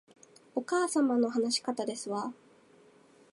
お母様の話し方ですわ